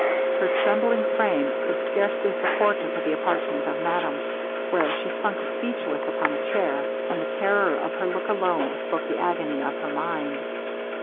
Her trembling frame could scarcely support her to the apartment of madame, where she sunk speechless upon a chair, and the terror of her look alone spoke the agony of her mind.